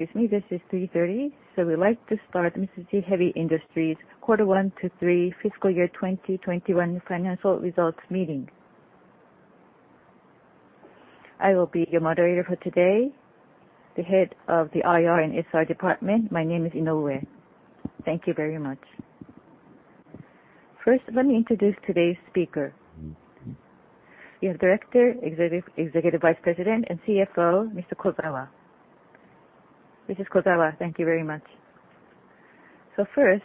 We'd like to start Mitsubishi Heavy Industries Q1 to Q3 fiscal year 2021 financial results meeting. I will be your moderator for today, the Head of the IR and SR department. My name is Inoue. Thank you very much. First, let me introduce today's speaker. We have Director, Executive Vice President and CFO, Mr. Kozawa. Mr. Kozawa, thank you very much. First,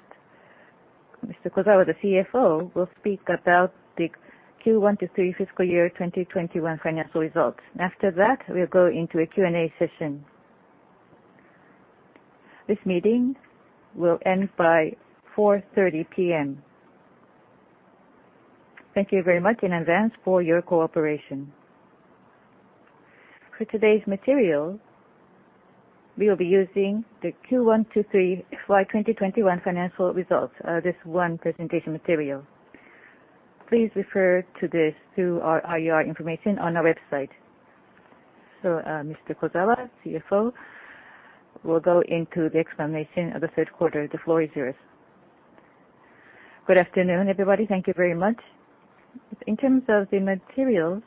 Mr. Kozawa, the CFO, will speak about the Q1 to Q3 fiscal year 2021 financial results. After that, we'll go into a Q&A session. This meeting will end by 4:30 P.M. Thank you very much in advance for your cooperation. For today's material, we will be using the Q1 to Q3 FY 2021 financial results. This one presentation material. Please refer to this through our IR information on our website. So, Mr. Kozawa, CFO, will go into the explanation of the third quarter. The floor is yours. Good afternoon, everybody. Thank you very much. In terms of the materials,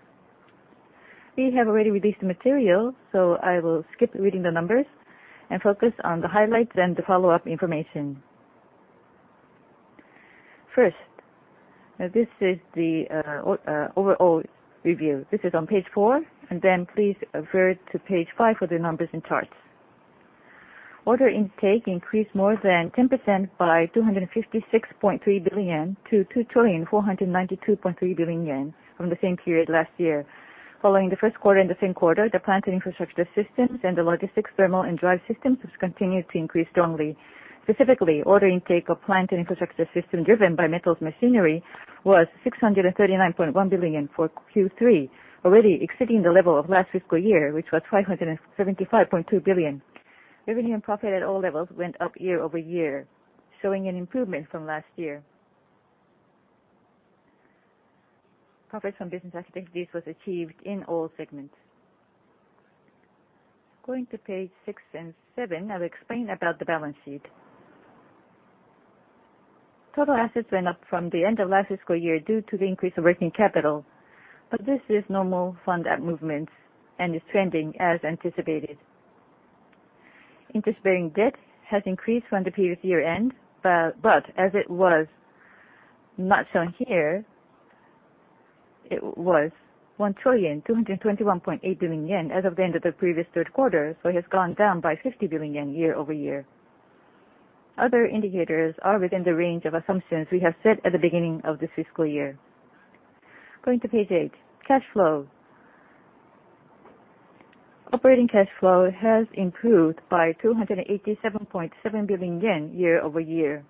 we have already released the material, so I will skip reading the numbers and focus on the highlights and the follow-up information. First, this is the overall review. This is on page four, and then please refer to page five for the numbers and charts. Order intake increased more than 10% by 256.3 billion to 2,492.3 billion yen from the same period last year. Following the first quarter and the same quarter, the Plants & Infrastructure Systems and the Logistics, Thermal & Drive Systems has continued to increase strongly. Specifically, order intake of Plants and Infrastructure Systems driven by Metals Machinery was 639.1 billion for Q3, already exceeding the level of last fiscal year, which was 575.2 billion. Revenue and profit at all levels went up year-over-year, showing an improvement from last year. Profit from business activities was achieved in all segments. Going to page six and seven, I will explain about the balance sheet. Total assets went up from the end of last fiscal year due to the increase of working capital, but this is normal fund movements and is trending as anticipated. Interest-bearing debt has increased from the previous year-end, but as it was not shown here, it was 1,221.8 billion yen as of the end of the previous third quarter. It has gone down by 50 billion yen year-over-year. Other indicators are within the range of assumptions we have set at the beginning of this fiscal year. Going to page eight, cash flow. Operating cash flow has improved by 287.7 billion yen year-over-year.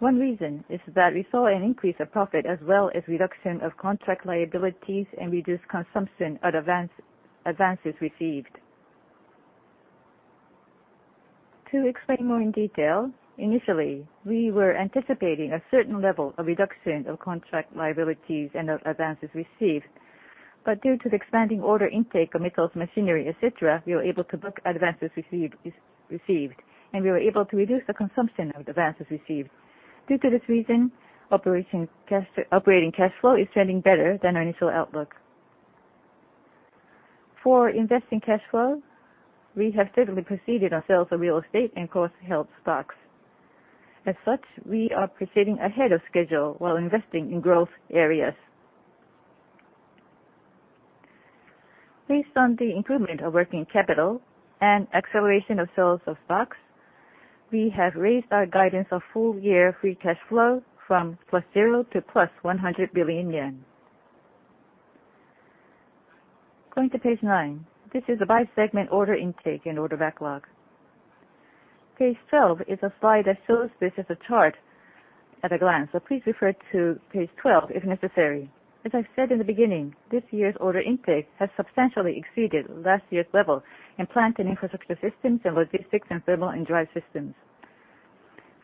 One reason is that we saw an increase of profit as well as reduction of contract liabilities and reduced consumption of advances received. To explain more in detail, initially, we were anticipating a certain level of reduction of contract liabilities and advances received. Due to the expanding order intake of Metals Machinery, etc., we were able to book advances received and we were able to reduce the consumption of advances received. Due to this reason, operating cash flow is trending better than our initial outlook. For investing cash flow, we have steadily proceeded on sales of real estate and cross-held stocks. As such, we are proceeding ahead of schedule while investing in growth areas. Based on the improvement of working capital and acceleration of sales of stocks, we have raised our guidance of full-year free cash flow from +0 to +100 billion yen. Going to page nine. This is a by-segment order intake and order backlog. Page 12 is a slide that shows this as a chart at a glance, so please refer to page 12 if necessary. As I said in the beginning, this year's order intake has substantially exceeded last year's level in Plants & Infrastructure Systems and Logistics, Thermal & Drive Systems.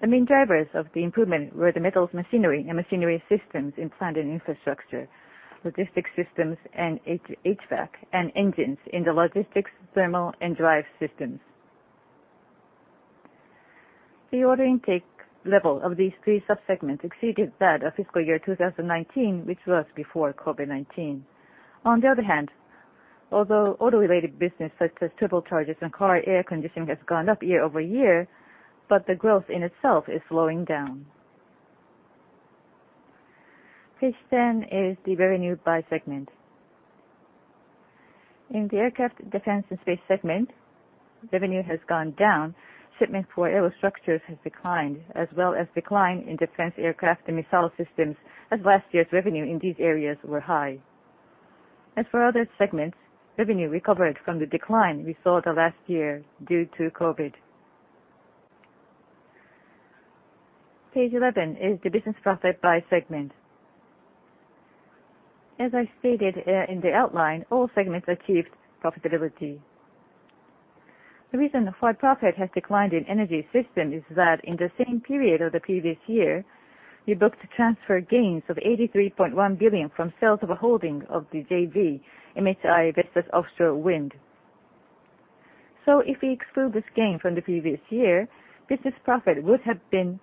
The main drivers of the improvement were the Metals Machinery and Machinery Systems in Plants & Infrastructure, Logistics Systems, and HVAC and engines in the Logistics, Thermal & Drive Systems. The order intake level of these three sub-segments exceeded that of fiscal year 2019, which was before COVID-19. On the other hand, although auto-related business such as turbochargers and car air conditioning has gone up year-over-year, but the growth in itself is slowing down. Page 10 is the revenue by segment. In the Aircraft, Defense & Space segment, revenue has gone down. Shipment for Aero Structures has declined as well as decline in defense aircraft and Missile Systems, as last year's revenue in these areas were high. As for other segments, revenue recovered from the decline we saw last year due to COVID. Page 11 is the business profit by segment. As I stated, in the outline, all segments achieved profitability. The reason the FY profit has declined in Energy Systems is that in the same period of the previous year, we booked transfer gains of 83.1 billion from sales of our holdings of the JV, MHI Vestas Offshore Wind. If we exclude this gain from the previous year, business profit would have been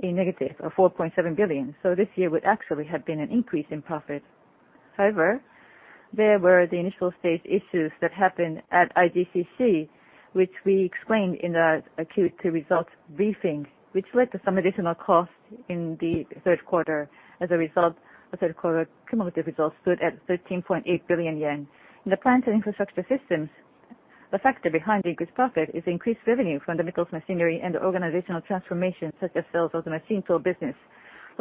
a negative of 4.7 billion. This year would actually have been an increase in profit. However, there were the initial phase issues that happened at IGCC, which we explained in the Q2 results briefing, which led to some additional costs in the third quarter. As a result, the third quarter cumulative results stood at 13.8 billion yen. In the Plants & Infrastructure Systems, the factor behind the increased profit is increased revenue from the Metals Machinery and organizational transformation, such as sales of the machine tool business.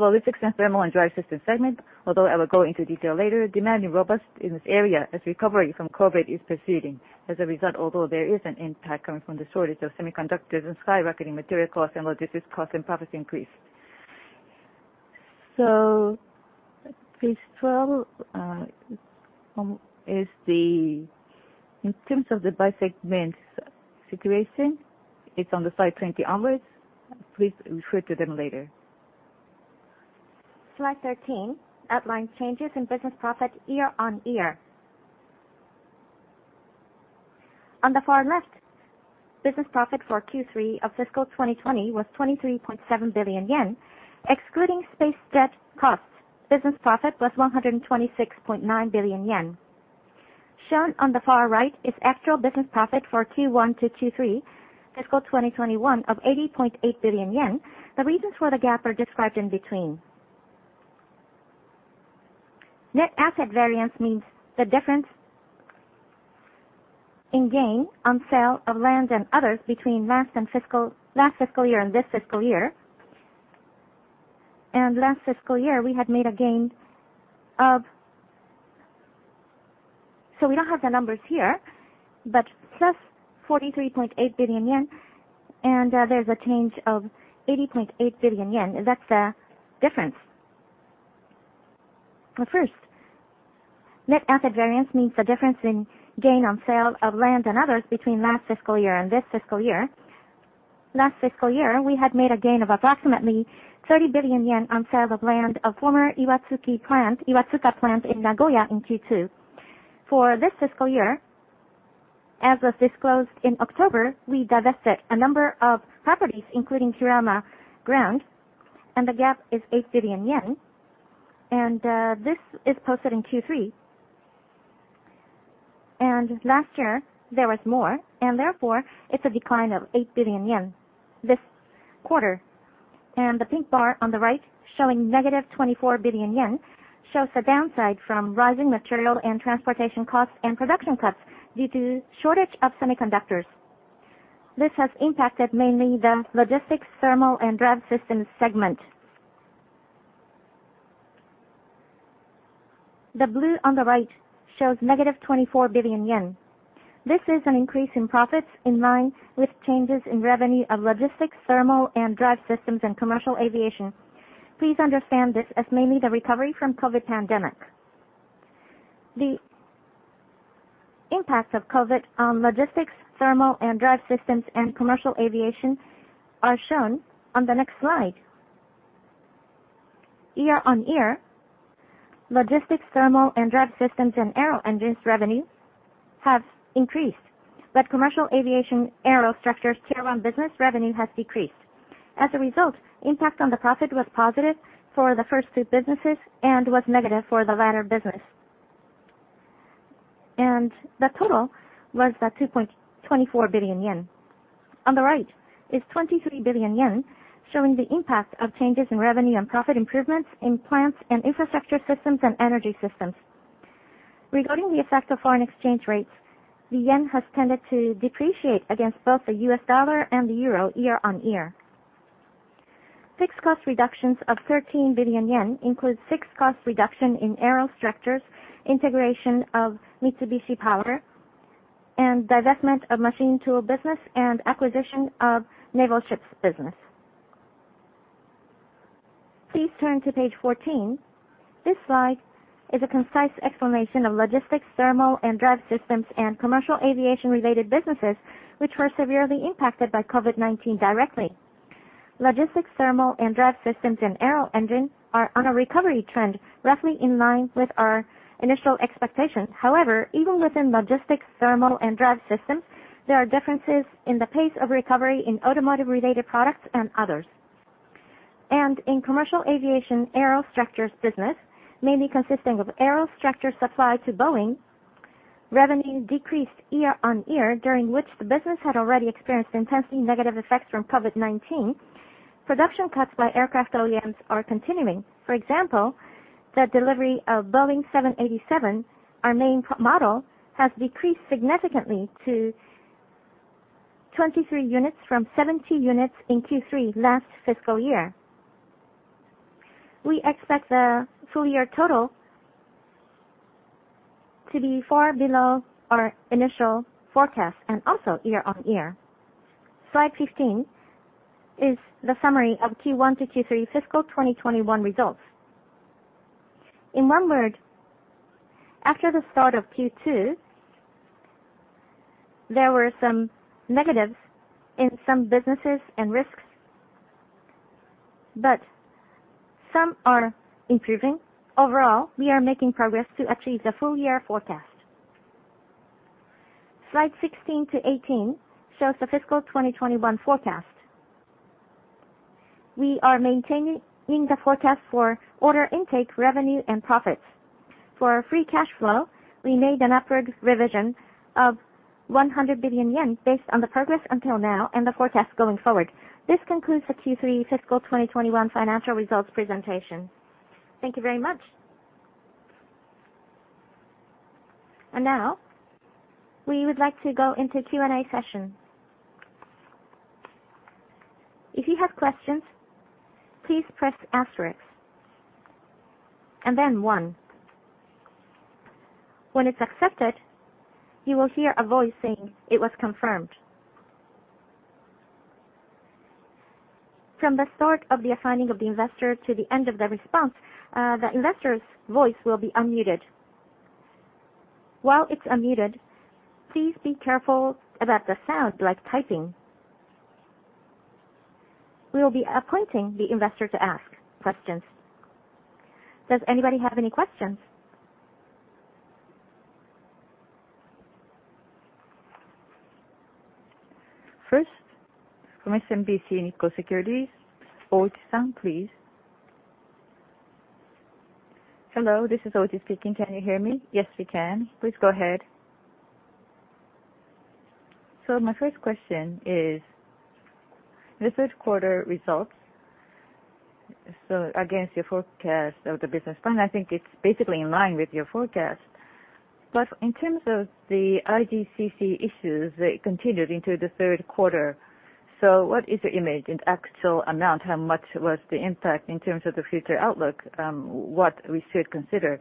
For Logistics, Thermal & Drive Systems segment, although I will go into detail later, demand is robust in this area as recovery from COVID-19 is proceeding. As a result, although there is an impact coming from the shortage of semiconductors and skyrocketing material costs and logistics costs, profits increase. Page 12 is in terms of the by segments situation. It's on the slide 20 onwards. Please refer to them later. Slide 13 outlines changes in business profit year-on-year. On the far left, business profit for Q3 of fiscal 2020 was 23.7 billion yen. Excluding SpaceJet costs, business profit was 126.9 billion yen. Shown on the far right is actual business profit for Q1 to Q3 fiscal 2021 of 80.8 billion yen. The reasons for the gap are described in between. Net asset variance means the difference in gain on sale of land and others between last fiscal year and this fiscal year. Last fiscal year, we had made a gain of plus JPY 43.8 billion. We don't have the numbers here, but there's a change of 80.8 billion yen. That's the difference. Net asset variance means the difference in gain on sale of land and others between last fiscal year and this fiscal year. Last fiscal year, we had made a gain of approximately 30 billion yen on sale of land of former Iwatsuka plant in Nagoya in Q2. For this fiscal year, as was disclosed in October, we divested a number of properties, including Kurama ground, and the gap is 8 billion yen. This is posted in Q3. Last year there was more, and therefore it's a decline of 8 billion yen this quarter. The pink bar on the right showing -24 billion yen shows the downside from rising material and transportation costs and production cuts due to shortage of semiconductors. This has impacted mainly the Logistics, Thermal & Drive Systems segment. The blue on the right shows -24 billion yen. This is an increase in profits in line with changes in revenue of Logistics, Thermal & Drive Systems and Commercial Aviation. Please understand this as mainly the recovery from COVID pandemic. The impact of COVID on Logistics, Thermal & Drive Systems and Commercial Aviation is shown on the next slide. Year-on-year, Logistics, Thermal & Drive Systems and aero-engines revenue have increased. Commercial Aviation Aero Structures carryover business revenue has decreased. As a result, impact on the profit was positive for the first two businesses and was negative for the latter business. The total was at 2.24 billion yen. On the right is 23 billion yen, showing the impact of changes in revenue and profit improvements in Plants & Infrastructure Systems and Energy Systems. Regarding the effect of foreign exchange rates, the yen has tended to depreciate against both the US dollar and the euro year-on-year. Fixed cost reductions of 13 billion yen include fixed cost reduction in Aero Structures, integration of Mitsubishi Power and divestment of machine tool business and acquisition of naval ships business. Please turn to page 14. This slide is a concise explanation of Logistics, Thermal & Drive Systems and commercial aviation-related businesses which were severely impacted by COVID-19 directly. Logistics, Thermal & Drive Systems and aero-engines are on a recovery trend, roughly in line with our initial expectations. However, even within Logistics, Thermal & Drive Systems, there are differences in the pace of recovery in automotive-related products and others. In Commercial Aviation Aero Structures business, mainly consisting of Aero Structure supply to Boeing, revenue decreased year-over-year, during which the business had already experienced intensely negative effects from COVID-19. Production cuts by aircraft OEMs are continuing. For example, the delivery of Boeing 787, our main model, has decreased significantly to 23 units from 70 units in Q3 last fiscal year. We expect the full year total to be far below our initial forecast and also year-over-year. Slide 15 is the summary of Q1 to Q3 fiscal 2021 results. In one word, after the start of Q2 There were some negatives in some businesses and risks, but some are improving. Overall, we are making progress to achieve the full year forecast. Slide 16 to 18 shows the fiscal 2021 forecast. We are maintaining the forecast for order intake, revenue and profits. For our free cash flow, we made an upward revision of 100 billion yen based on the progress until now and the forecast going forward. This concludes the Q3 fiscal 2021 financial results presentation. Thank you very much. Now we would like to go into Q&A session. If you have questions, please press asterisk, and then one. When it's accepted, you will hear a voice saying, "It was confirmed." From the start of the assigning of the investor to the end of the response, the investor's voice will be unmuted. While it's unmuted, please be careful about the sound, like typing. We will be appointing the investor to ask questions. Does anybody have any questions? First, from SMBC Nikko Securities, Otake-san, please. Hello, this is Oti speaking. Can you hear me? Yes, we can. Please go ahead. My first question is the third quarter results. Against your forecast of the business plan, I think it's basically in line with your forecast. In terms of the IGCC issues, they continued into the third quarter. What is your image in actual amount? How much was the impact in terms of the future outlook, what we should consider?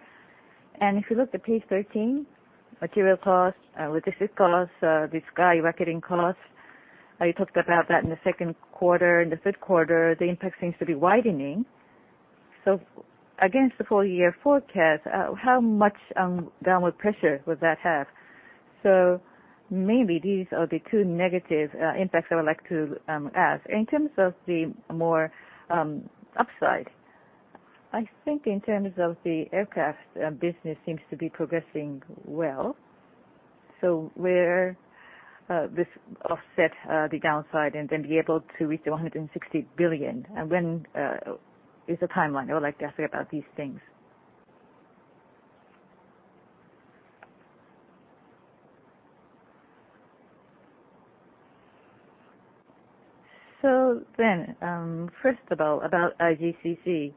If you look to page 13, material cost, logistics cost, the skyrocketing cost, you talked about that in the second quarter. In the third quarter, the impact seems to be widening. Against the full year forecast, how much downward pressure would that have? Maybe these are the two negative impacts I would like to ask. In terms of the more upside, I think in terms of the aircraft business seems to be progressing well. Where this offset the downside and then be able to reach 160 billion? When is the timeline? I would like to ask you about these things. First of all, about IGCC.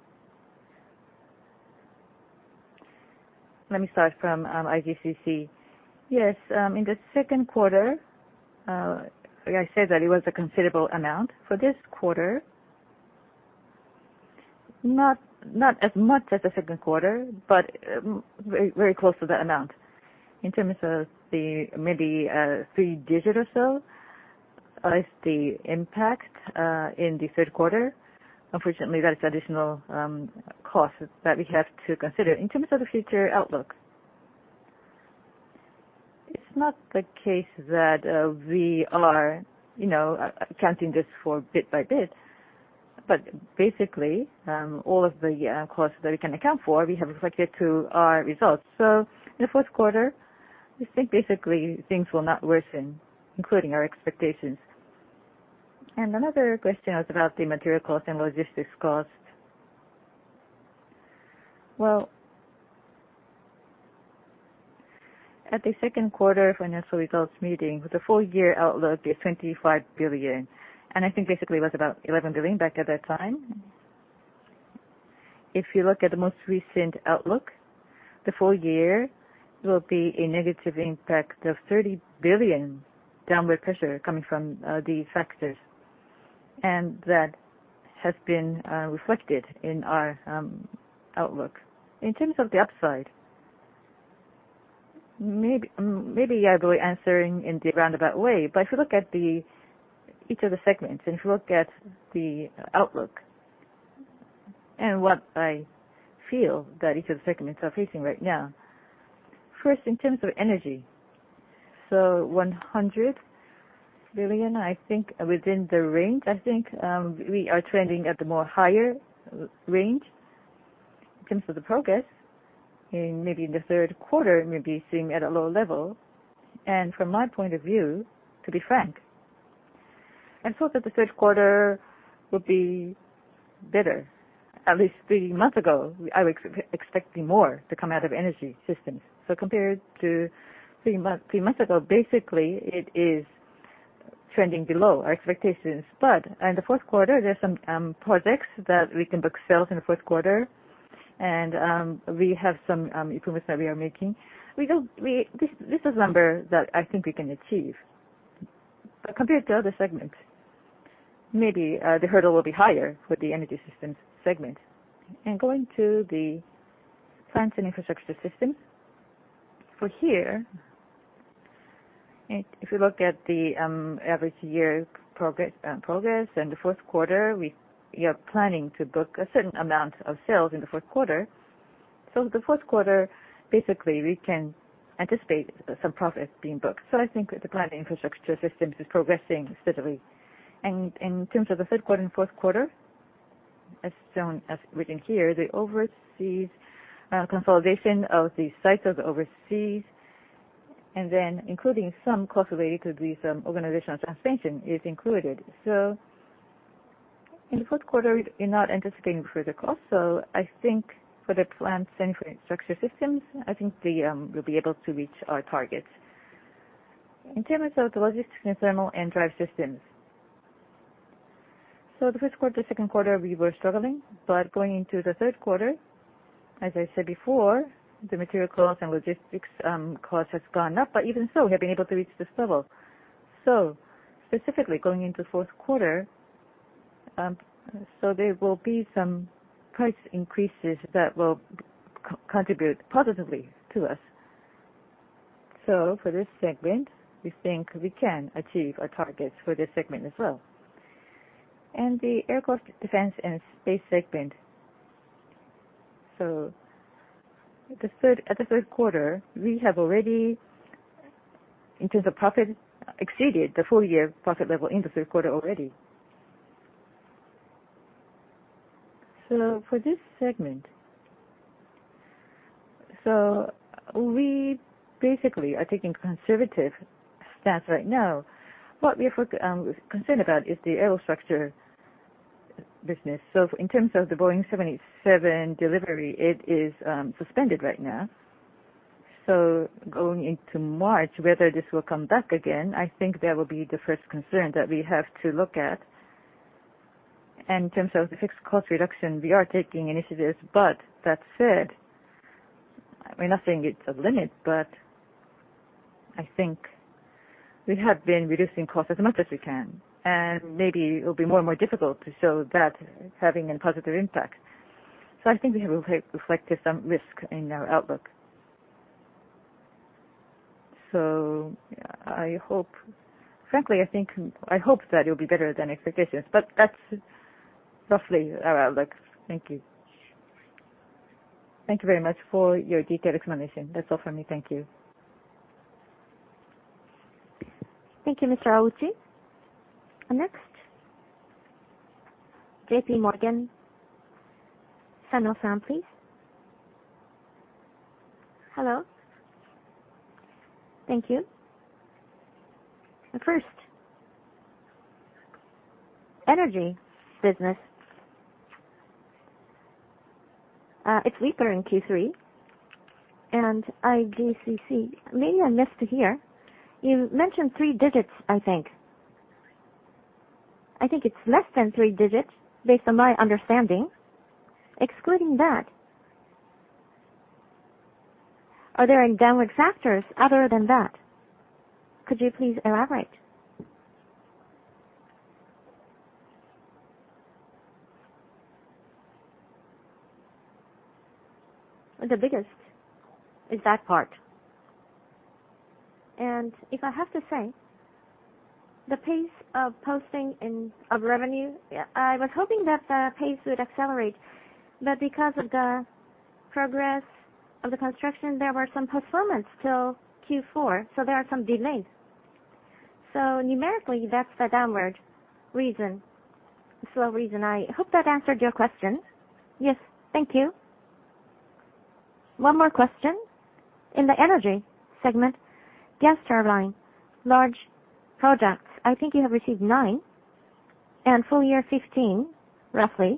Let me start from IGCC. Yes, in the second quarter, like I said, that it was a considerable amount. For this quarter, not as much as the second quarter, but very close to that amount. In terms of the maybe three-digit or so is the impact in the third quarter. Unfortunately, that is additional cost that we have to consider. In terms of the future outlook, it's not the case that, we are, you know, accounting this for bit by bit. Basically, all of the costs that we can account for, we have reflected to our results. In the fourth quarter, we think basically things will not worsen, including our expectations. Another question was about the material costs and logistics costs. Well, at the second quarter financial results meeting with the full year outlook, the 25 billion, and I think basically it was about 11 billion back at that time. If you look at the most recent outlook, the full year will be a negative impact of 30 billion downward pressure coming from these factors. That has been reflected in our outlook. In terms of the upside, maybe I'll be answering in the roundabout way, but if you look at each of the segments and if you look at the outlook and what I feel that each of the segments are facing right now. First, in terms of Energy. 100 billion, I think within the range, I think, we are trending at the more higher range in terms of the progress in maybe in the third quarter, maybe seeing at a lower level. From my point of view, to be frank, I thought that the third quarter would be better. At least three months ago, I was expecting more to come out of Energy Systems. Compared to three months ago, basically, it is trending below our expectations. In the fourth quarter, there are some projects that we can book sales in the fourth quarter and we have some improvements that we are making. This is number that I think we can achieve. Compared to other segments, maybe the hurdle will be higher with the Energy Systems segment. Going to the Plants & Infrastructure Systems. For here, if we look at the every year progress in the fourth quarter, we are planning to book a certain amount of sales in the fourth quarter. The fourth quarter, basically, we can anticipate some profit being booked. I think the Plants & Infrastructure Systems is progressing steadily. In terms of the third quarter and fourth quarter, as shown, as written here, the overseas consolidation of the sites of overseas, and then including some costs related to some organizational transaction is included. In the fourth quarter, we're not anticipating further costs. I think for the Plants & Infrastructure Systems, I think we will be able to reach our targets. In terms of the Logistics, Thermal & Drive Systems, the first quarter, second quarter, we were struggling. Going into the third quarter, as I said before, the material costs and logistics cost has gone up. Even so, we have been able to reach this level. Specifically going into fourth quarter, there will be some price increases that will contribute positively to us. For this segment, we think we can achieve our targets for this segment as well. The Aircraft, Defense & Space segment. At the third quarter, we have already, in terms of profit, exceeded the full year profit level in the third quarter already. For this segment, so we basically are taking conservative stance right now. What we are concerned about is the Aero Structures business. In terms of the Boeing 777 delivery, it is suspended right now. Going into March, whether this will come back again, I think that will be the first concern that we have to look at. In terms of the fixed cost reduction, we are taking initiatives. That said, we're not saying it's a limit, but I think we have been reducing costs as much as we can, and maybe it will be more and more difficult to show that having a positive impact. I think we have re-reflected some risk in our outlook. I hope, frankly, I think that it'll be better than expectations, but that's roughly our outlook. Thank you. Thank you very much for your detailed explanation. That's all for me. Thank you. Thank you, Mr. Okabe. Next, JPMorgan, Sho Fukuhara, please. Hello. Thank you. First, energy business, it's weaker in Q3 and IGCC. Maybe I missed to hear. You mentioned three digits, I think. I think it's less than three digits, based on my understanding. Excluding that, are there any downward factors other than that? Could you please elaborate? The biggest is that part. If I have to say, the pace of posting in, of revenue, yeah, I was hoping that the pace would accelerate, but because of the progress of the construction, there were some postponements till Q4, so there are some delays. Numerically, that's the downward reason, sole reason. I hope that answered your question. Yes. Thank you. One more question. In the Energy segment, gas turbine, large projects, I think you have received nine and full year 15, roughly.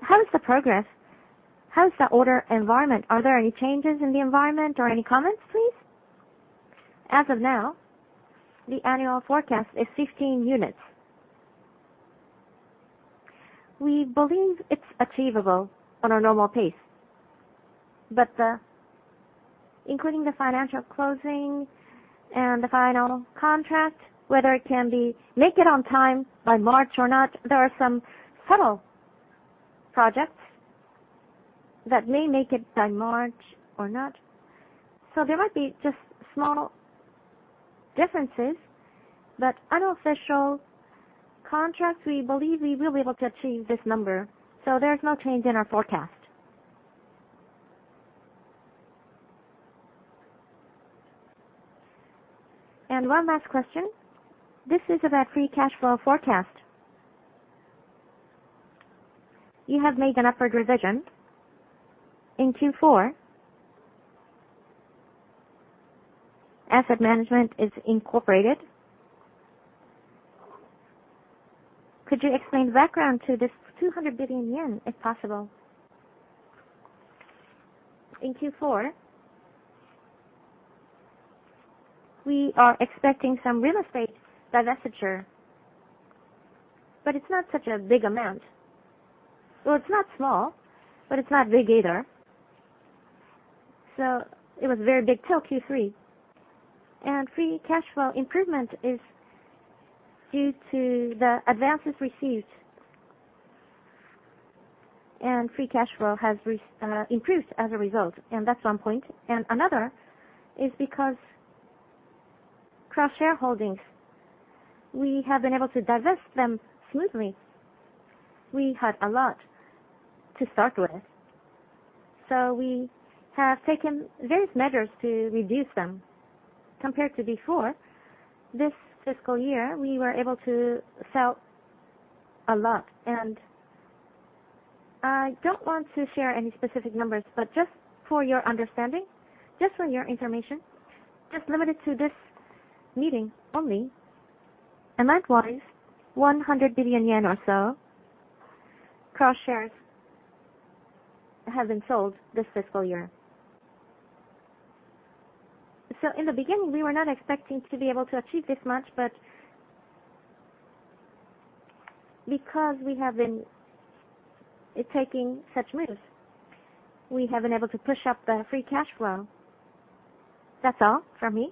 How is the progress? How is the order environment? Are there any changes in the environment or any comments, please? As of now, the annual forecast is 15 units. We believe it's achievable on our normal pace. Including the financial closing and the final contract, whether it can make it on time by March or not, there are some subtle projects that may make it by March or not. There might be just small differences. Unofficial contracts, we believe we will be able to achieve this number, so there's no change in our forecast. One last question. This is about free cash flow forecast. You have made an upward revision in Q4. Asset management is incorporated. Could you explain the background to this 200 billion yen, if possible? In Q4, we are expecting some real estate divestiture, but it's not such a big amount. It's not small, but it's not big either. It was very big till Q3. Free cash flow improvement is due to the advances received. Free cash flow has improved as a result, and that's one point. Another is because cross-shareholdings, we have been able to divest them smoothly. We had a lot to start with, so we have taken various measures to reduce them. Compared to before this fiscal year, we were able to sell a lot. I don't want to share any specific numbers, but just for your understanding, just for your information, just limit it to this meeting only. Likewise, 100 billion yen or so cross-shareholdings have been sold this fiscal year. In the beginning, we were not expecting to be able to achieve this much, but because we have been taking such moves, we have been able to push up the free cash flow. That's all from me.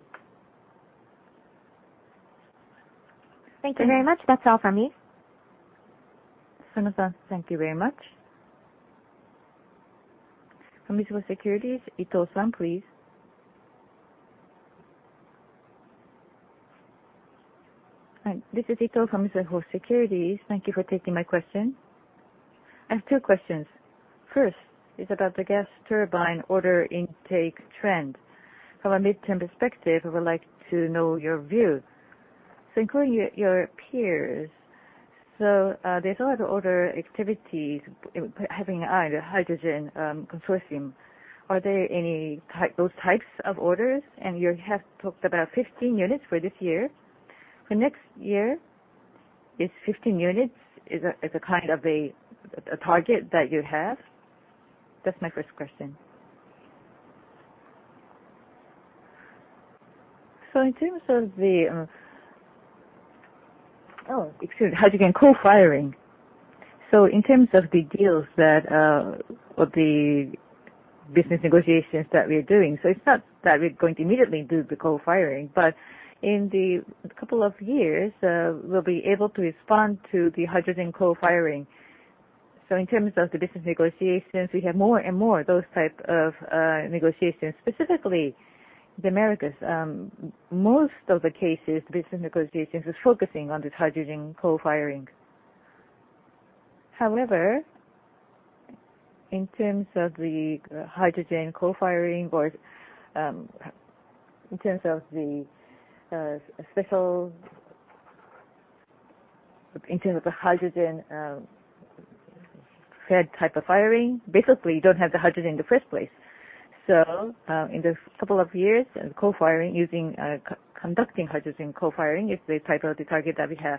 Thank you very much. From Mizuho Securities, Ito-san, please. Hi, this is Ito from Mizuho Securities. Thank you for taking my question. I have two questions. First is about the gas turbine order intake trend. From a midterm perspective, I would like to know your view, so including your peers. There's a lot of order activities having an eye on the hydrogen consortium. Are there any of those types of orders? And you have talked about 15 units for this year. For next year, 15 units is a kind of a target that you have? That's my first question. Oh, excuse me. How do you mean? Co-firing. In terms of the deals that or the business negotiations that we're doing, it's not that we're going to immediately do the co-firing, but in the couple of years, we'll be able to respond to the hydrogen co-firing. In terms of the business negotiations, we have more and more those type of negotiations, specifically the Americas. Most of the cases, business negotiations is focusing on this hydrogen co-firing. However, in terms of the hydrogen co-firing or in terms of the hydrogen-fed type of firing, basically you don't have the hydrogen in the first place. In a couple of years, co-firing using hydrogen, conducting hydrogen co-firing is the type of target that we have.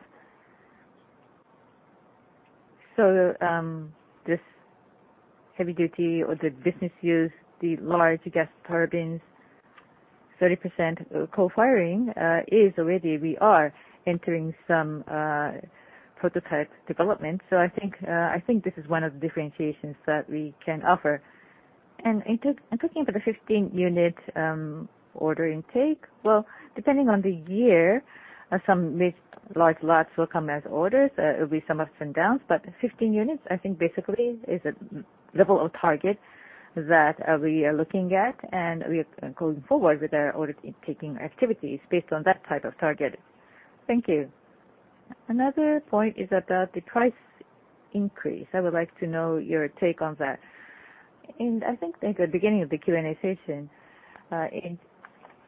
This heavy-duty for the business use, the large gas turbines, 30% co-firing is already we are entering some prototype development. I think this is one of the differentiations that we can offer. In terms of talking about the 15-unit order intake, well, depending on the year, some mixed large lots will come as orders. It will be some ups and downs, but 15 units, I think basically is a level of target that we are looking at and we are going forward with our order taking activities based on that type of target. Thank you. Another point is about the price increase. I would like to know your take on that. I think in the beginning of the Q&A session,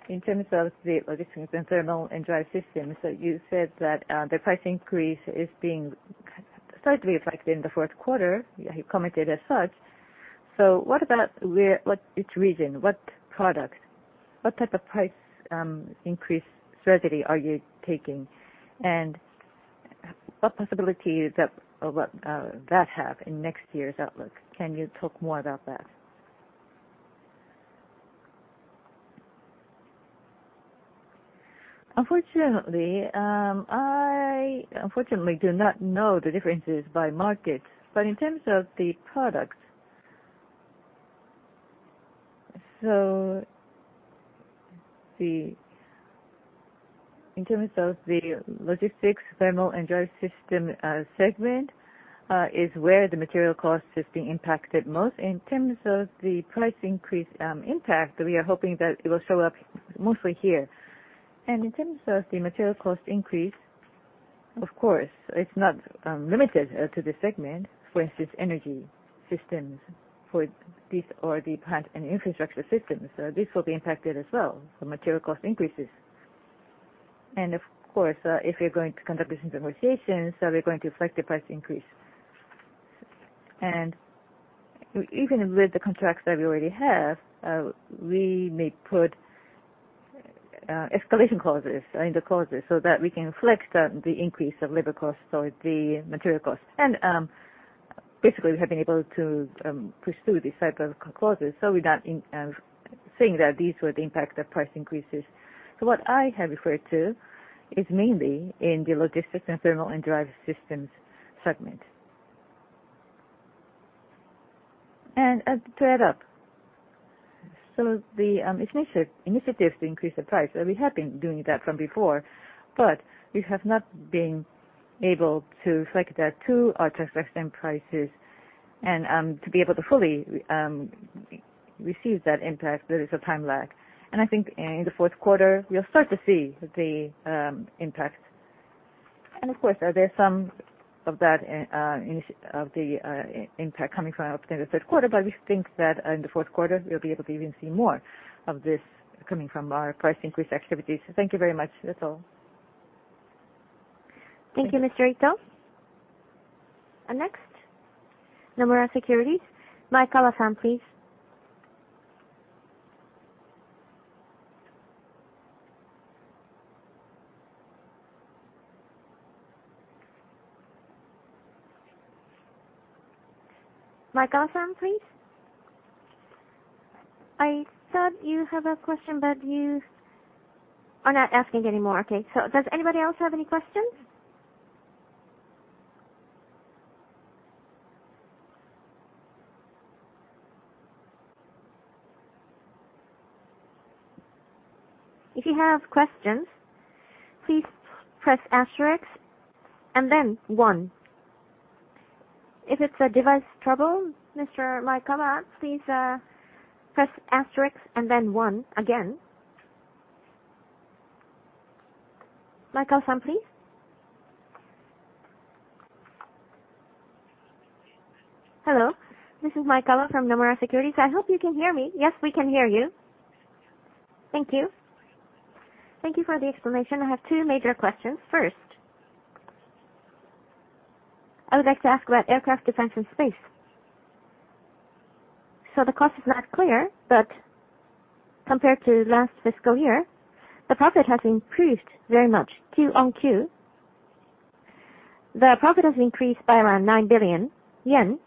in terms of the Logistics, Thermal & Drive Systems, you said that the price increase is being slightly affected in the fourth quarter. You commented as such. What's its reason? What products? What type of price increase strategy are you taking? What possibilities that have in next year's outlook? Can you talk more about that? Unfortunately, I do not know the differences by market, but in terms of the products. In terms of the Logistics, Thermal & Drive Systems segment is where the material cost is being impacted most. In terms of the price increase impact, we are hoping that it will show up mostly here. In terms of the material cost increase, of course, it's not limited to the segment. For instance, Energy Systems for this or the Plants & Infrastructure Systems, this will be impacted as well, the material cost increases. Of course, if we're going to conduct business negotiations, we're going to reflect the price increase. Even with the contracts that we already have, we may put escalation clauses in the clauses so that we can reflect the increase of labor costs or the material costs. Basically, we have been able to pursue these type of clauses, so we're not saying that these were the impact of price increases. What I have referred to is mainly in the Logistics, Thermal & Drive Systems segment. To add up, so the initiative to increase the price, we have been doing that from before, but we have not been able to reflect that to our transaction prices. To be able to fully receive that impact, there is a time lag. I think in the fourth quarter you'll start to see the impact. Of course there are some of that initial impact coming from the third quarter. We think that in the fourth quarter we'll be able to even see more of this coming from our price increase activities. Thank you very much. That's all. Thank you, Mr. Ito. Next, Nomura Securities, Maekawa-san, please. I thought you have a question, but you are not asking anymore. Okay. Does anybody else have any questions? If you have questions, please press asterisk and then one. If it's a device trouble, Mr. Maekawa, please press asterisk and then one again. Maekawa-san, please. Hello, this is Maekawa from Nomura Securities. I hope you can hear me. Yes, we can hear you. Thank you. Thank you for the explanation. I have two major questions. First, I would like to ask about Aircraft, Defense & Space. The cost is not clear, but compared to last fiscal year, the profit has improved very much Q on Q. The profit has increased by around 9 billion yen.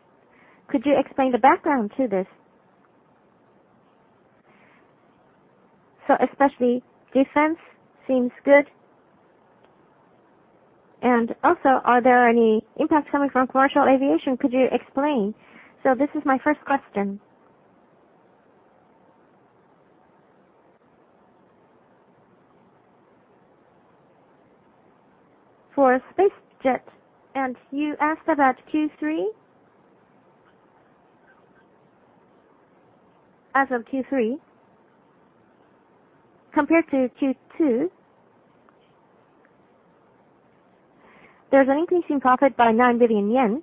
Could you explain the background to this? Especially defense seems good. Also are there any impacts coming from commercial aviation? Could you explain? This is my first question. For SpaceJet. You asked about Q3? As of Q3. Compared to Q2, there's an increase in profit by 9 billion yen.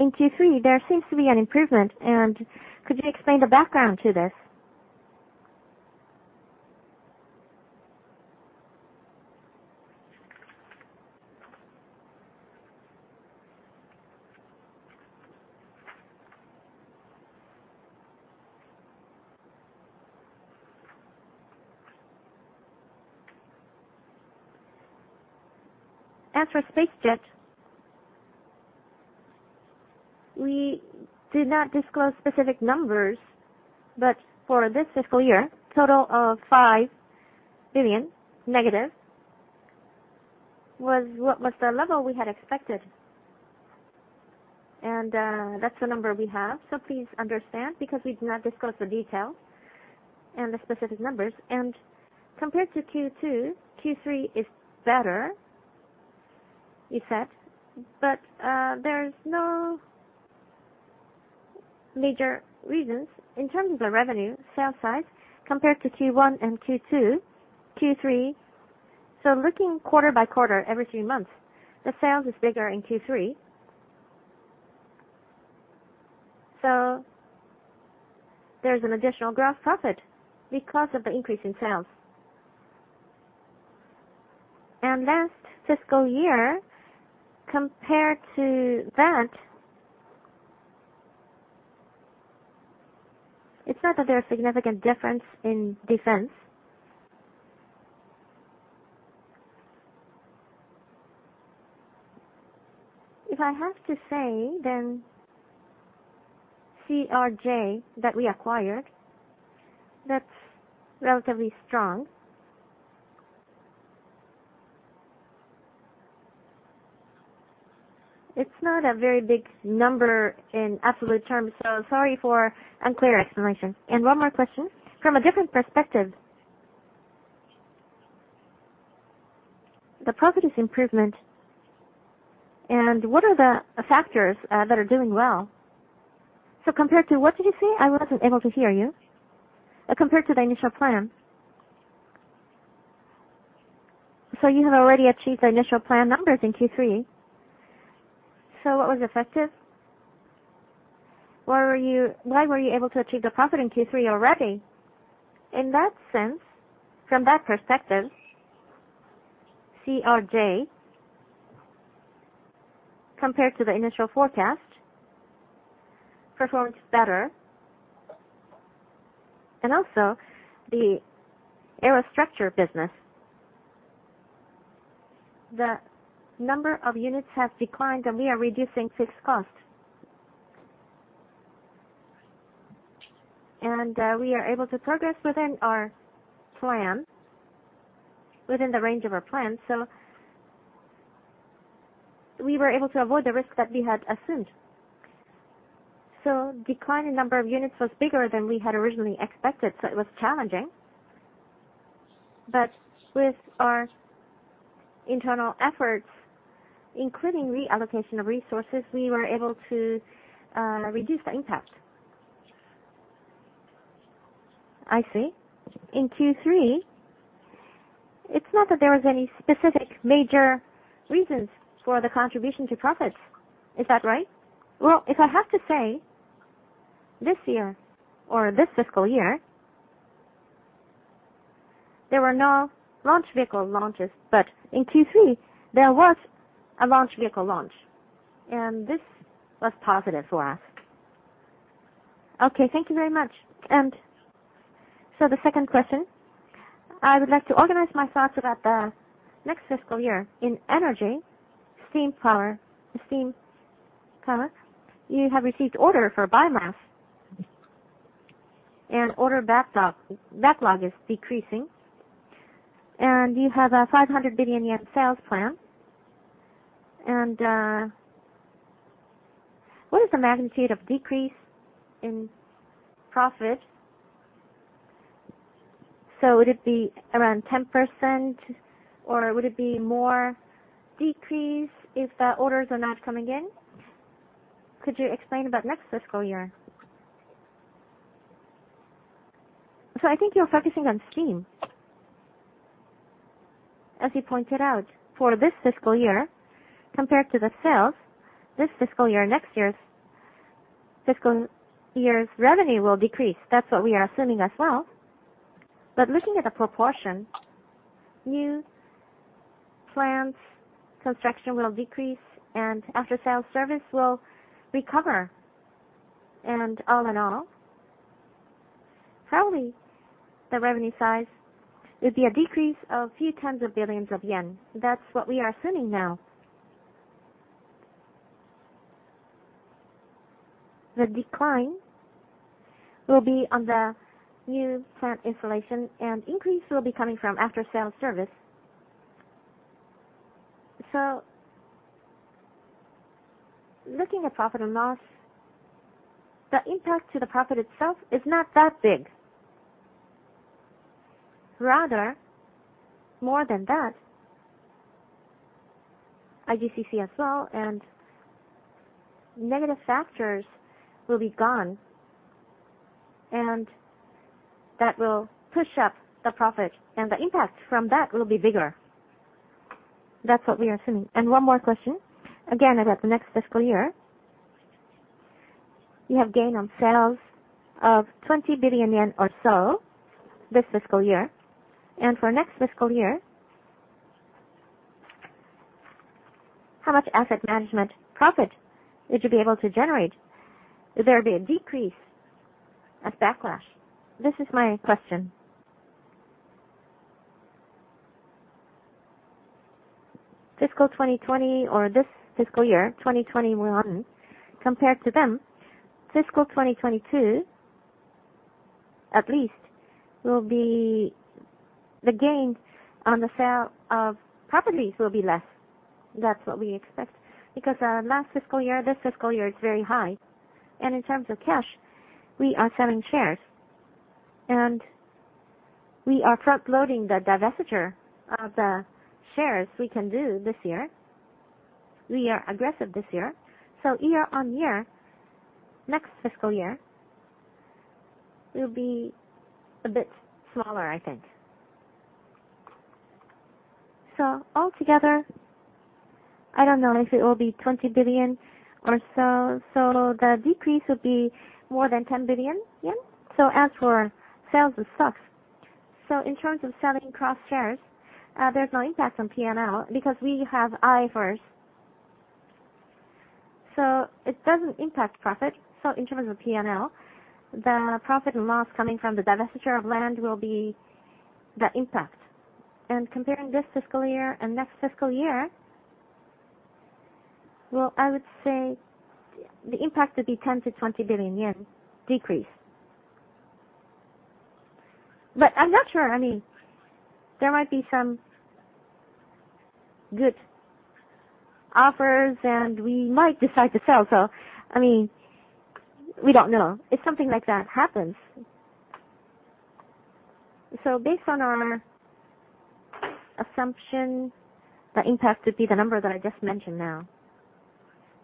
In Q3 there seems to be an improvement. Could you explain the background to this? As for SpaceJet, we did not disclose specific numbers, but for this fiscal year, total of -5 billion was what was the level we had expected. That's the number we have. Please understand, because we do not disclose the details and the specific numbers. Compared to Q2, Q3 is better, you said. There's no major reasons in terms of the revenue sales side compared to Q1 and Q2, Q3. Looking quarter by quarter every three months, the sales is bigger in Q3. There's an additional gross profit because of the increase in sales. Last fiscal year compared to that, it's not that there are significant difference in defense. If I have to say, then CRJ that we acquired, that's relatively strong. It's not a very big number in absolute terms, so sorry for unclear explanation. One more question. From a different perspective, the profit is improvement. What are the factors that are doing well? Compared to what did you say? I wasn't able to hear you. Compared to the initial plan. You have already achieved the initial plan numbers in Q3. What was effective? Why were you able to achieve the profit in Q3 already? In that sense, from that perspective, CRJ, compared to the initial forecast, performed better. Also the Aero Structures business. The number of units have declined, and we are reducing fixed costs. We are able to progress within our plan, within the range of our plan. We were able to avoid the risk that we had assumed. Decline in number of units was bigger than we had originally expected. It was challenging. With our internal efforts, including reallocation of resources, we were able to reduce the impact. I see. In Q3, it's not that there was any specific major reasons for the contribution to profits. Is that right? Well, if I have to say this year or this fiscal year, there were no launch vehicle launches. But in Q3, there was a launch vehicle launch, and this was positive for us. Okay, thank you very much. The second question. I would like to organize my thoughts about the next fiscal year. In Energy, Steam Power, steam products, you have received order for biomass. Backlog is decreasing. You have a 500 billion yen sales plan. What is the magnitude of decrease in profit? Would it be around 10% or would it be more decrease if the orders are not coming in? Could you explain about next fiscal year? I think you're focusing on Steam. As you pointed out, for this fiscal year compared to the sales, next fiscal year's revenue will decrease. That's what we are assuming as well. Looking at the proportion, new plant construction will decrease and after-sales service will recover. All in all, probably the revenue size will be a decrease of a few tens of billions JPY. That's what we are assuming now. The decline will be on the new plant installation and increase will be coming from after-sales service. Looking at profit and loss, the impact to the profit itself is not that big. Rather more than that, IGCC as well, and negative factors will be gone, and that will push up the profit and the impact from that will be bigger. That's what we are assuming. One more question, again, about the next fiscal year. You have gain on sales of 20 billion yen or so this fiscal year. For next fiscal year, how much asset management profit would you be able to generate? Will there be a decrease, a backlash? This is my question. Fiscal 2020 or this fiscal year, 2021, compared to the, fiscal 2022 at least will be the gain on the sale of properties will be less. That's what we expect because last fiscal year, this fiscal year is very high. In terms of cash, we are selling shares and we are front-loading the divestiture of the shares we can do this year. We are aggressive this year. Year on year, next fiscal year will be a bit smaller I think. Altogether, I don't know if it will be 20 billion or so. The decrease will be more than 10 billion yen. As for sales of stock, in terms of selling cross shares, there's no impact on P&L because we have IFRS. It doesn't impact profit. In terms of P&L, the profit and loss coming from the divestiture of land will be the impact. Comparing this fiscal year and next fiscal year, well, I would say the impact would be 10 billion-20 billion yen decrease. I'm not sure. I mean, there might be some good offers and we might decide to sell. I mean, we don't know if something like that happens. Based on our assumption, the impact would be the number that I just mentioned now.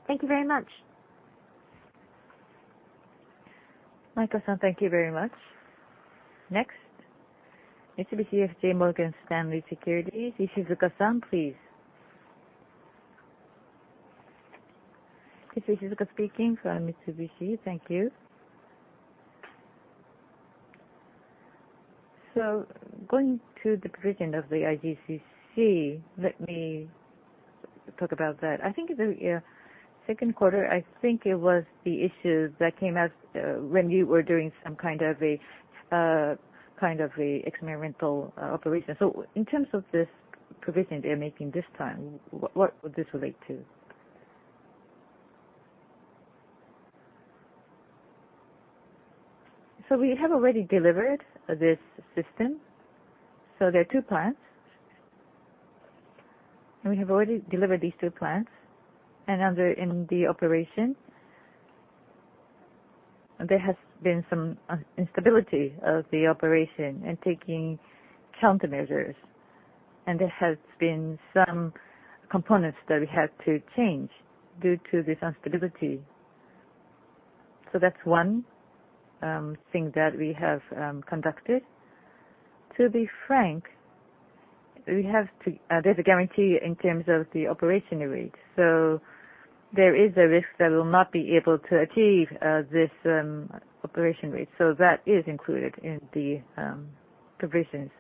Thank you very much. Maekawa-san, thank you very much. Next, Mitsubishi UFJ Morgan Stanley Securities, Ishizuka-san, please. It's Ishizuka speaking from Mitsubishi. Thank you. Going to the provision of the IGCC, let me talk about that. I think in the second quarter, I think it was the issue that came up, when you were doing some kind of a experimental operation. In terms of this provision they are making this time, what would this relate to? We have already delivered this system. There are two plants, and we have already delivered these two plants, and now they're in the operation. There has been some instability of the operation and taking countermeasures, and there has been some components that we had to change due to this instability. That's one thing that we have conducted. To be frank, there's a guarantee in terms of the operation rate. There is a risk that we'll not be able to achieve this operation rate. That is included in the provisions.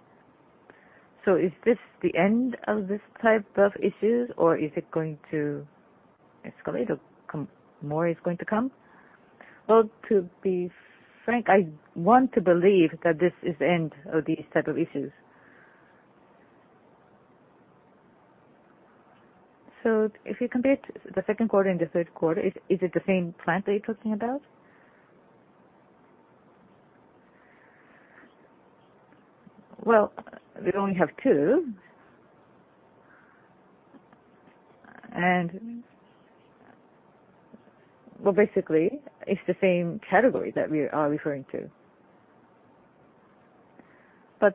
Is this the end of this type of issues or is it going to escalate or more is going to come? Well, to be frank, I want to believe that this is the end of these type of issues. If you compare it to the second quarter and the third quarter, is it the same plant that you're talking about? Well, we only have two. Well, basically, it's the same category that we are referring to.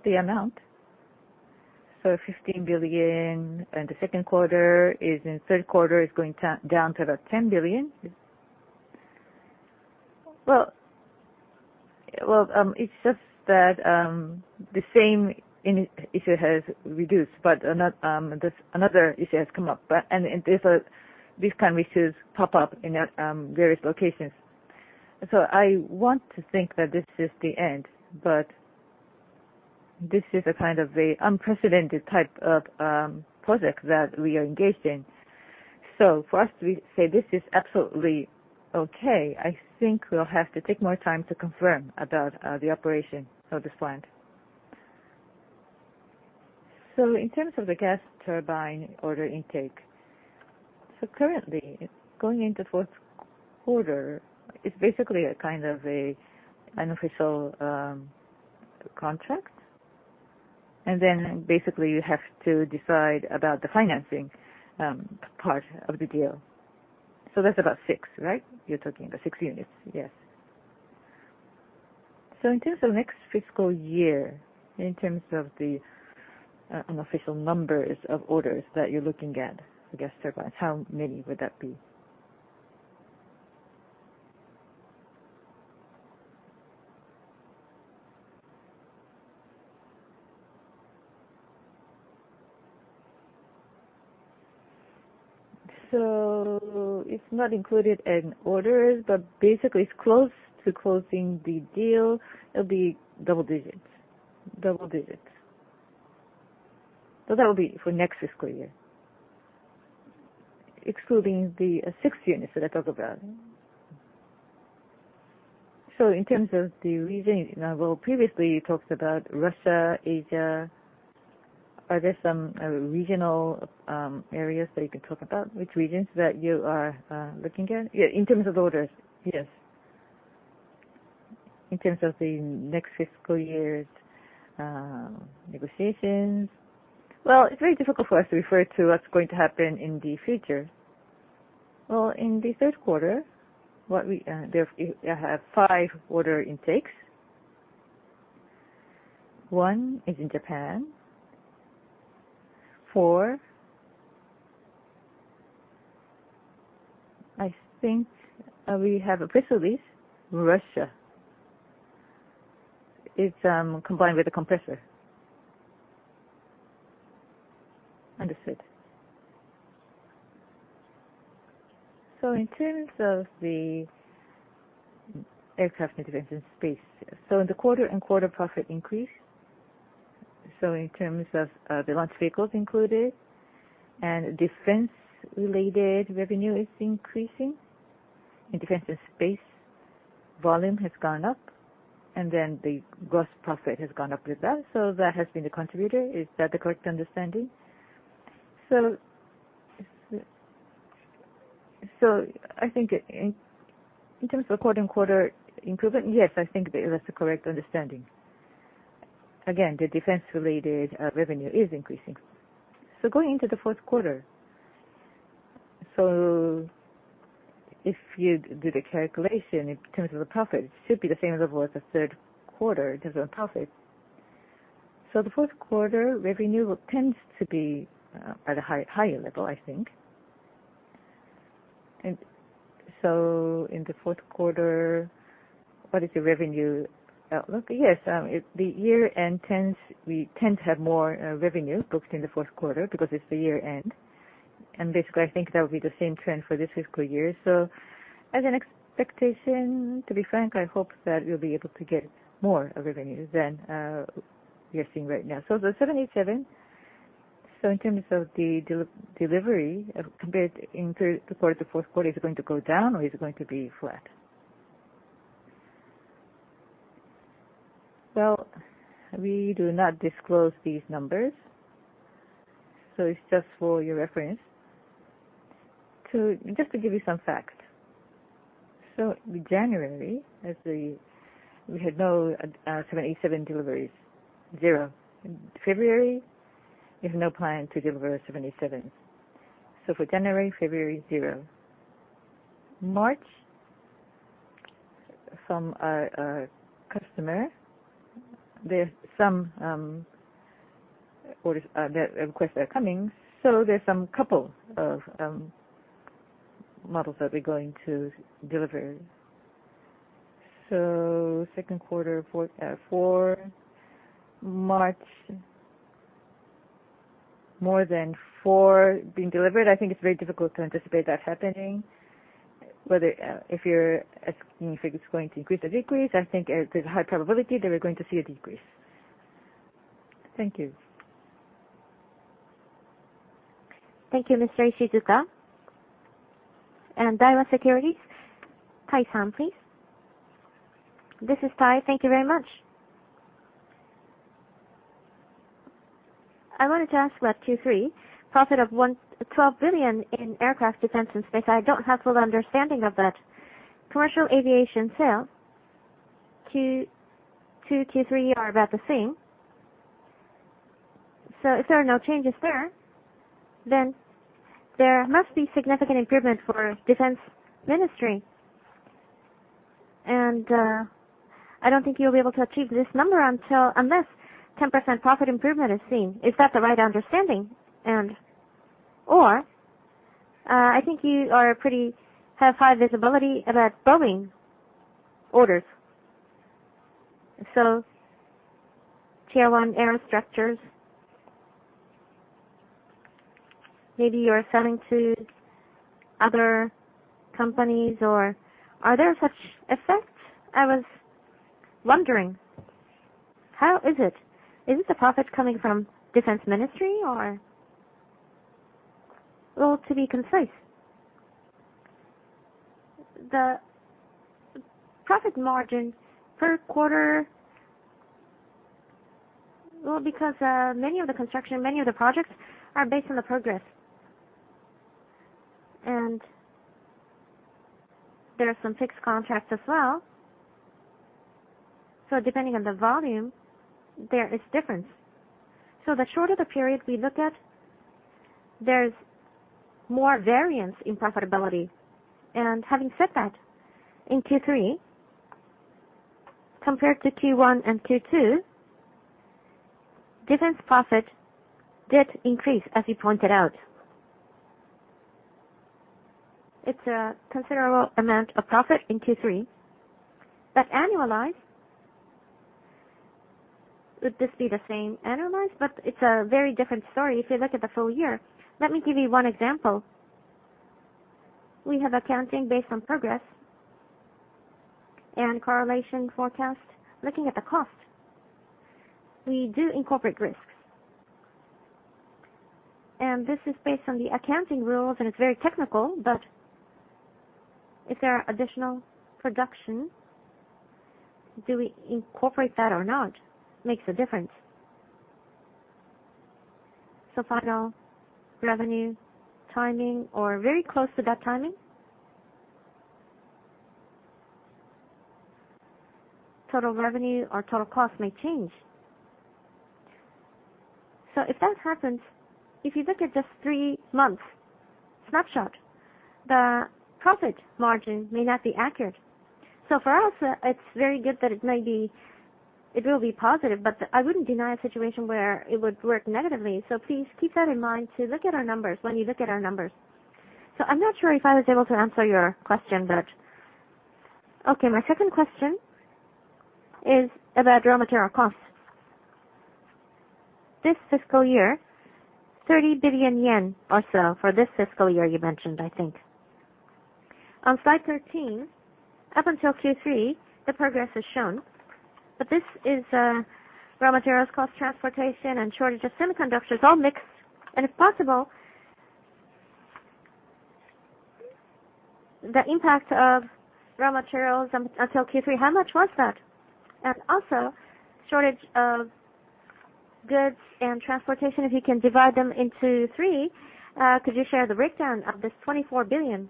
The amount? 15 billion in the second quarter, in third quarter, is going down to about 10 billion? Well, it's just that the same issue has reduced, but another issue has come up. There's these kind of issues pop up in various locations. I want to think that this is the end, but this is a kind of a unprecedented type of project that we are engaged in. For us to say this is absolutely okay, I think we'll have to take more time to confirm about the operation of this plant. In terms of the gas turbine order intake, currently going into fourth quarter, it's basically a kind of a unofficial contract. Basically you have to decide about the financing, part of the deal. That's about 6, right? You're talking about 6 units. Yes. In terms of next fiscal year, in terms of the unofficial numbers of orders that you're looking at for Gas Turbine, how many would that be? It's not included in orders, but basically it's close to closing the deal. It'll be double digits. That'll be for next fiscal year. Excluding the 6 units that I talk about. In terms of the region, now well previously you talked about Russia, Asia. Are there some regional areas that you can talk about? Which regions that you are looking at? Yeah, in terms of orders. Yes. In terms of the next fiscal year's negotiations. Well, it's very difficult for us to refer to what's going to happen in the future. Well, in the third quarter, we have five order intakes. One is in Japan. Four, I think we have a press release. Russia. It's combined with the compressor. Understood. In terms of the Aircraft, Defense & Space. In the quarter-over-quarter profit increase, in terms of the launch vehicles included and defense-related revenue is increasing, and defense and space volume has gone up, and then the gross profit has gone up with that. That has been the contributor. Is that the correct understanding? I think in terms of quarter-over-quarter improvement, yes, I think that is a correct understanding. Again, the defense-related revenue is increasing. Going into the fourth quarter, if you do the calculation in terms of the profit, it should be the same level as the third quarter in terms of profit. The fourth quarter revenue tends to be at a higher level I think. In the fourth quarter, what is the revenue outlook? The year-end, we tend to have more revenue booked in the fourth quarter because it's the year-end. Basically, I think that will be the same trend for this fiscal year. As an expectation, to be frank, I hope that we'll be able to get more revenue than we are seeing right now. The 787, in terms of the delivery, compared in third quarter to fourth quarter, is it going to go down or is it going to be flat? Well, we do not disclose these numbers. It's just for your reference. Just to give you some facts. In January, we had no 787 deliveries, zero. In February, we have no plan to deliver a 787. For January, February, zero. March, from a customer, there's some orders that request are coming. There's some couple of models that we're going to deliver. Second quarter, fourth four. March, more than four being delivered. I think it's very difficult to anticipate that happening. Whether if you're asking if it's going to increase or decrease, I think there's a high probability that we're going to see a decrease. Thank you. Thank you, Mr. Ishizuka. Daiwa Securities, Tai-san, please. This is Tai. Thank you very much. I wanted to ask about Q3. Profit of 112 billion in Aircraft, Defense & Space. I don't have full understanding of that. Commercial Aviation sales, Q2, Q3 are about the same. If there are no changes there, then there must be significant improvement for defense ministry. I don't think you'll be able to achieve this number until unless 10% profit improvement is seen. Is that the right understanding? I think you have pretty high visibility about Boeing orders. So Tier 1 Aero Structures. Maybe you're selling to other companies or are there such effects? I was wondering, how is it? Is the profit coming from Defense Ministry or? Well, to be concise. The profit margin per quarter. Well, because many of the construction, many of the projects are based on the progress. There are some fixed contracts as well. So depending on the volume, there is difference. So the shorter the period we look at, there's more variance in profitability. Having said that, in Q3 compared to Q1 and Q2, defense profit did increase, as you pointed out. It's a considerable amount of profit in Q3. Annualized, would this be the same annualized? It's a very different story if you look at the full year. Let me give you one example. We have accounting based on progress and correlation forecast. Looking at the cost, we do incorporate risks. This is based on the accounting rules, and it's very technical, but if there are additional production, do we incorporate that or not? Makes a difference. Final revenue timing or very close to that timing. Total revenue or total cost may change. If that happens, if you look at just three months snapshot, the profit margin may not be accurate. For us, it's very good that it may be, it will be positive, but I wouldn't deny a situation where it would work negatively. Please keep that in mind to look at our numbers when you look at our numbers. I'm not sure if I was able to answer your question, but. Okay, my second question is about raw material costs. This fiscal year, 30 billion yen or so for this fiscal year, you mentioned, I think. On slide 13, up until Q3, the progress is shown. But this is raw materials cost, transportation and shortage of semiconductors all mixed. And if possible, the impact of raw materials until Q3, how much was that? And also shortage of goods and transportation, if you can divide them into three, could you share the breakdown of this 24 billion?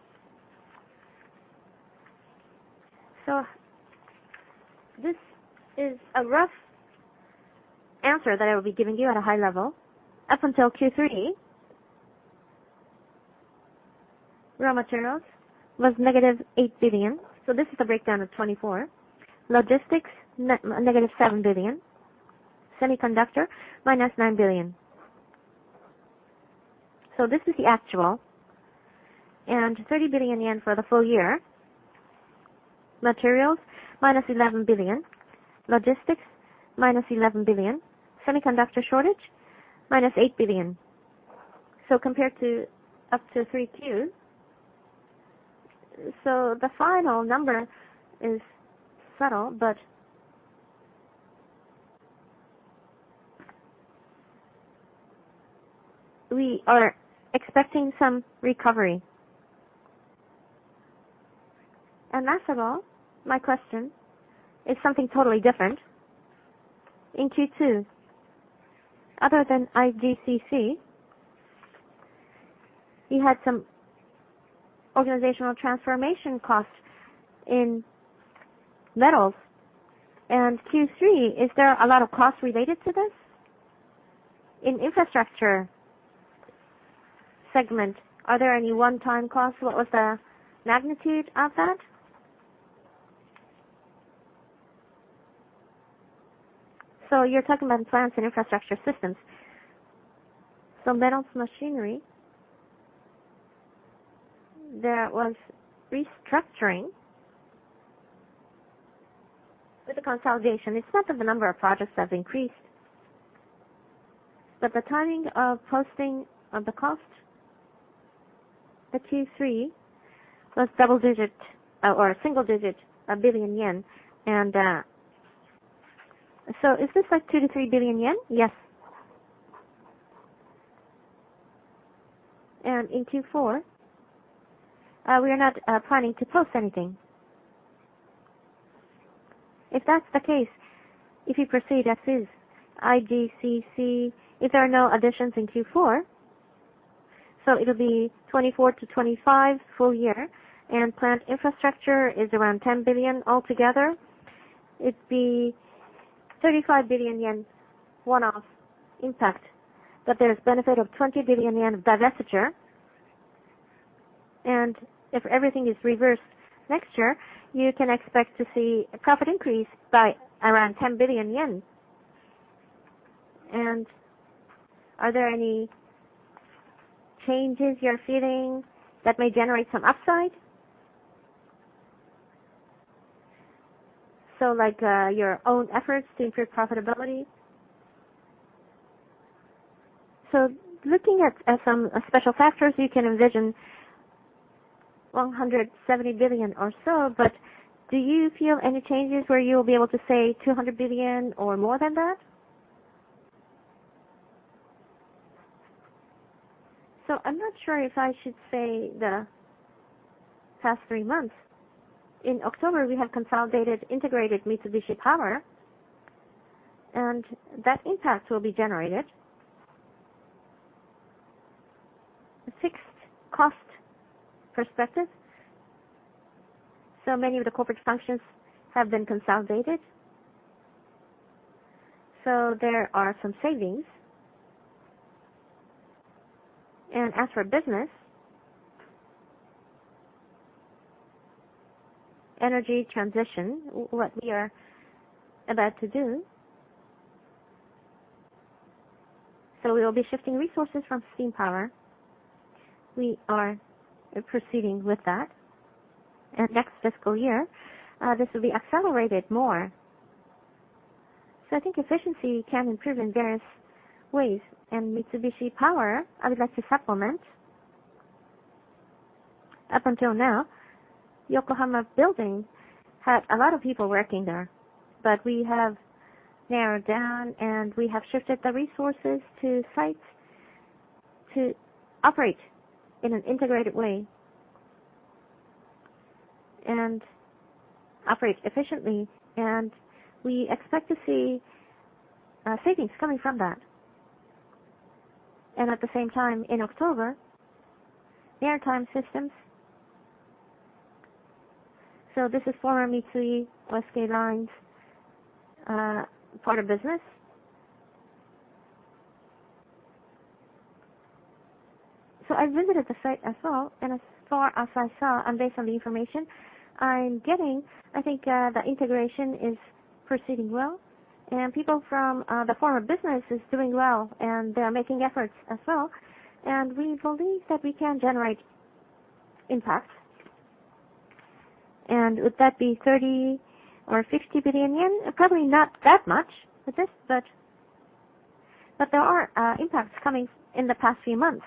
This is a rough answer that I will be giving you at a high level. Up until Q3, raw materials was negative 8 billion. This is the breakdown of 24 billion. Logistics, negative 7 billion. Semiconductor, -9 billion. This is the actual. 30 billion yen for the full year. Materials, -11 billion. Logistics, -11 billion. Semiconductor shortage, -8 billion. Compared to up to three Qs. The final number is subtle, but we are expecting some recovery. Last of all, my question is something totally different. In Q2, other than IGCC, you had some organizational transformation costs in metals. Q3, is there a lot of costs related to this? In Infrastructure segment, are there any one-time costs? What was the magnitude of that? You're talking about Plants & Infrastructure Systems. Metals Machinery, there was restructuring. With the consolidation, it's not that the number of projects have increased, but the timing of posting of the cost at Q3 was double-digit or single-digit, a billion yen. So is this like 2 billion-3 billion yen? Yes. In Q4, we are not planning to post anything. If that's the case, if you proceed as is, IGCC, if there are no additions in Q4, it'll be 24-25 full year, and Plants & Infrastructure Systems is around 10 billion altogether. It'd be 35 billion yen one-off impact. There's benefit of 20 billion yen divestiture. If everything is reversed next year, you can expect to see a profit increase by around 10 billion yen. Are there any changes you're feeling that may generate some upside? Like your own efforts to improve profitability. Looking at some special factors, you can envision 170 billion or so, but do you feel any changes where you'll be able to say 200 billion or more than that? I'm not sure if I should say the past three months. In October, we have consolidated, integrated Mitsubishi Power, and that impact will be generated. The fixed cost perspective, many of the corporate functions have been consolidated. There are some savings. As for business, energy transition, what we are about to do, we will be shifting resources from Steam Power. We are proceeding with that. Next fiscal year, this will be accelerated more. I think efficiency can improve in various ways. Mitsubishi Power, I would like to supplement. Up until now, Yokohama building had a lot of people working there, but we have narrowed down, and we have shifted the resources to sites to operate in an integrated way and operate efficiently. We expect to see savings coming from that. At the same time, in October, Maritime Systems, this is former Mitsui E&S, part of business. I visited the site as well, and as far as I saw, and based on the information I'm getting, I think the integration is proceeding well. People from the former business is doing well, and they are making efforts as well. We believe that we can generate impact. Would that be 30 billion yen or 50 billion yen? Probably not that much with this, but there are impacts coming in the past few months.